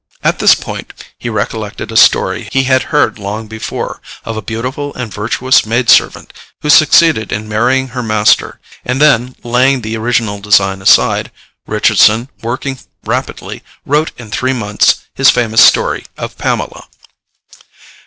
At this point he recollected a story he had heard long before, of a beautiful and virtuous maid servant who succeeded in marrying her master; and then, laying the original design aside, Richardson, working rapidly, wrote in three months his famous story of Pamela.